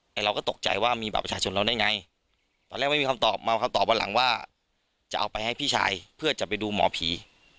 แต่เราก็ตกใจว่ามีบัตรประชาชนเราได้ไงตอนแรกไม่มีคำตอบมาคำตอบวันหลังว่าจะเอาไปให้พี่ชายเพื่อจะไปดูหมอผี